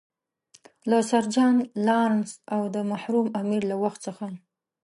له سر جان لارنس او د مرحوم امیر له وخت څخه.